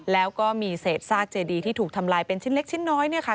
แล้วก็มีเศษซากเจดีที่ถูกทำลายเป็นชิ้นเล็กชิ้นน้อยเนี่ยค่ะ